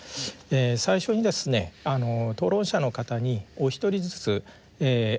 最初にですね討論者の方にお一人ずつ自己紹介がてらですね